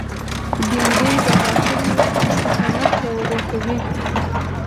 بېنډۍ د غاښونو استقامت پیاوړی کوي